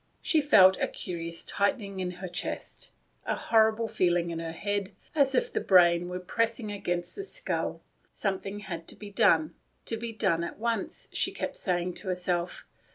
She felt a curious tightening in her chest, a horrible feeling in her head, as if the brain were pressing against the skull. Something had to be done — to be done at once, she kept saying to herself.